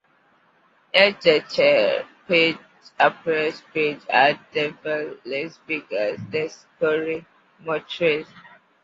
Elle cherche, page après page, à dévoiler les visages des quatre meurtriers.